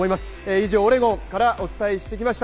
以上、オレゴンからお伝えしてきました。